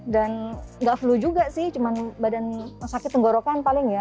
dan enggak flu juga sih cuma badan sakit tenggorokan paling ya